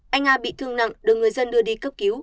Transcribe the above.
anh a bị thương nặng được người dân đưa đi cấp cứu